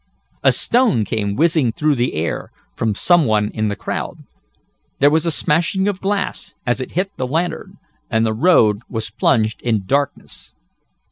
A stone came whizzing through the air, from some one in the crowd. There was a smashing of glass as it hit the lantern, and the road was plunged in darkness.